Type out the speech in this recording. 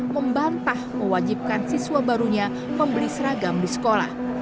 membantah mewajibkan siswa barunya membeli seragam di sekolah